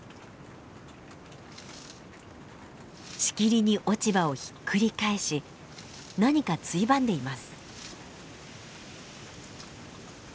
しきりに落ち葉をひっくり返し何かついばんでいます。